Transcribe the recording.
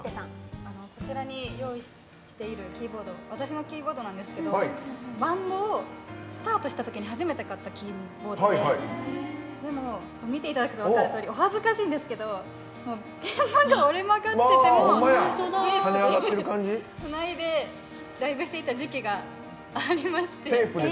こちらに用意しているキーボード私のキーボードなんですけどバンドをスタートしたときに初めて買ったキーボードででも見ていただくと分かるとおりお恥ずかしいんですけど鍵盤が折れまくっててもテープでつないでライブしていた時期がありまして。